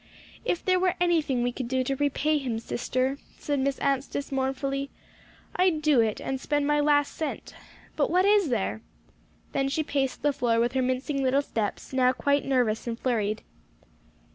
"If there were anything we could do to repay him, sister," said Miss Anstice mournfully, "I'd do it, and spend my last cent. But what is there?" Then she paced the floor with her mincing little steps, now quite nervous and flurried.